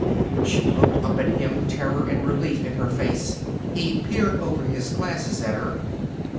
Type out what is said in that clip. She looked up at him, terror and relief in her face. He peered over his glasses at her.